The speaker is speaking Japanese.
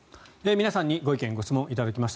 皆さんにご意見・ご質問を頂きました。